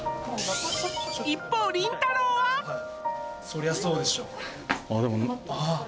一方りんたろー。はそりゃそうでしょ